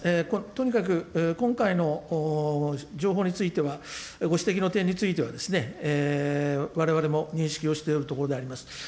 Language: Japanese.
とにかく今回の情報については、ご指摘の点については、われわれも認識をしておるところであります。